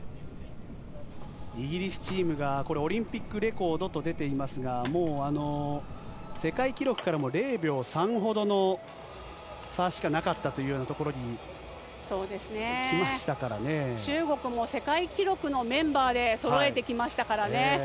イギリスチームがオリンピックレコードと出ていますがもう、世界記録からも０秒３ほどの差しかなかったというところに中国も世界記録のメンバーでそろえてきましたからね。